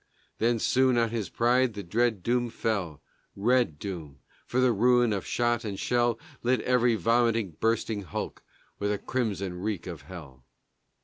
Then soon on his pride the dread doom fell, Red doom, for the ruin of shot and shell Lit every vomiting, bursting hulk With a crimson reek of hell.